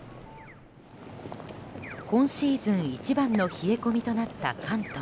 今シーズン一番の冷え込みとなった関東。